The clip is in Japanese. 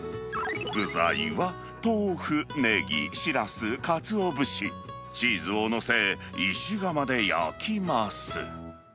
具材は豆腐、ねぎ、しらす、かつお節、チーズを載せ、石窯で焼きます。